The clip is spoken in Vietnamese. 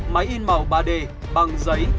máy in màu ba d bằng giấy